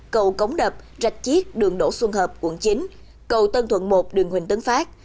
cầu cống đập rạch chiếc đường đỗ xuân hợp quận chín cầu tân thuận một đường huỳnh tấn phát